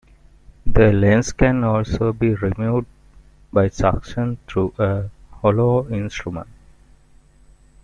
The lens can also be removed by suction through a hollow instrument.